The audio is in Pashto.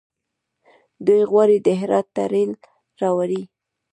دوی غواړي هرات ته ریل راولي.